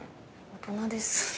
大人ですね。